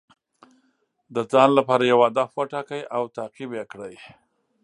د ځان لپاره یو هدف وټاکئ او تعقیب یې کړئ.